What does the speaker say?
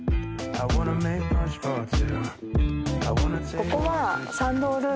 ここは。